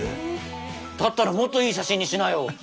だったらもっといい写真にしなよ！